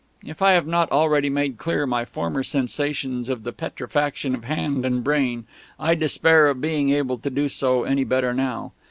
If I have not already made clear my former sensations of the petrefaction of hand and brain, I despair of being able to do so any better now.